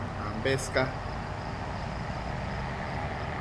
Ambes ca